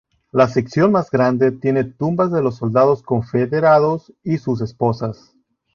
La sección más grande tiene tumbas de los soldados confederados y sus esposas.